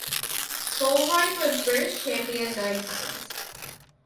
Holroyd was British Champion nine times.